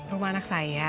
rumah anak saya